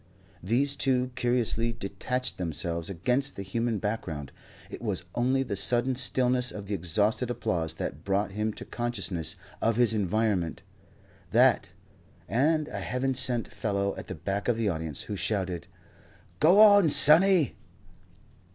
These two curiously detached themselves against the human background. It was only the sudden stillness of the exhausted applause that brought him to consciousness of his environment; that, and a heaven sent fellow at the back of the audience who shouted: "Go on, sonny!"